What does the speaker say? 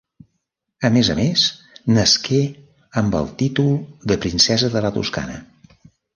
A més a més, nasqué amb el títol de princesa de la Toscana.